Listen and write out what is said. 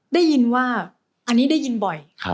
ได้ยินว่าอันนี้ได้ยินบ่อย